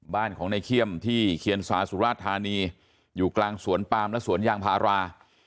บ้านของในเขี้ยมที่เคียนสาสุราชธานีอยู่กลางสวนปามและสวนยางพารา